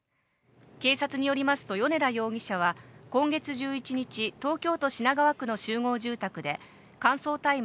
警察によりますと米田容疑者は今月１１日、東京都品川区の集合住宅で乾燥大麻